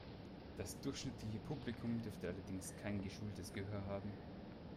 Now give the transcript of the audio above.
Das durchschnittliche Publikum dürfte allerdings kein geschultes Gehör haben.